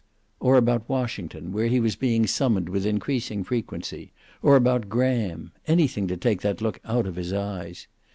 Or about Washington, where he was being summoned with increasing frequency. Or about Graham. Anything to take that look out of his eyes.